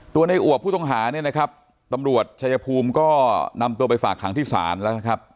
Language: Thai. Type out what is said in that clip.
ในอวบผู้ต้องหาเนี่ยนะครับตำรวจชายภูมิก็นำตัวไปฝากขังที่ศาลแล้วนะครับ